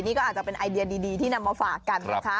นี่ก็อาจจะเป็นไอเดียดีที่นำมาฝากกันนะคะ